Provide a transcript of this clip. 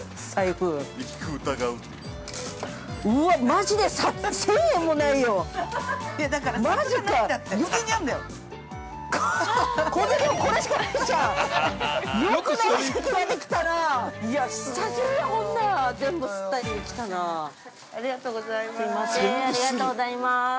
◆ありがとうございます。